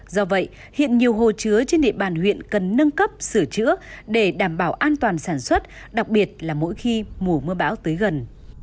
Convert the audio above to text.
do vậy hiện nhiều hồ chứa trên địa bàn huyện cần nâng cấp sửa chữa để đảm bảo an toàn sản xuất đặc biệt là mỗi khi mùa mưa bão tới gần